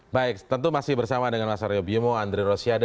baik tentu masih bersama dengan mas aryo bimo andri rosiade